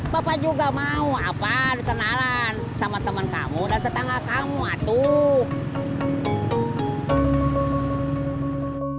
bapak juga mau kenalan sama teman dan tetangga kamu tuh